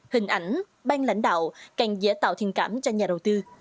hình ảnh ban lãnh đạo càng dễ tạo thiền cảm cho nhà đầu tư